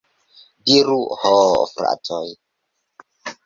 Diru, ho fratoj!